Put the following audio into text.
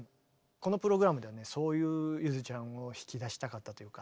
このプログラムではねそういうゆづちゃんを引き出したかったというか。